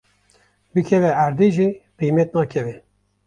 bikeve erdê jî qîmet nakeve.